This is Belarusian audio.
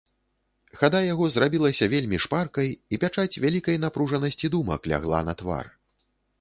Хада яго зрабілася вельмі шпаркай, і пячаць вялікай напружанасці думак лягла на твар.